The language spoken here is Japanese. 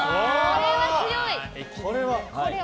これは強い！